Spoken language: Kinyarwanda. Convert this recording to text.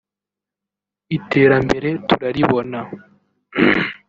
iterambere turaribona